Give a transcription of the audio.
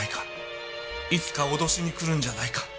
いつか脅しに来るんじゃないか。